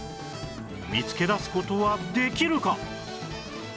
見つけだす事はできるか？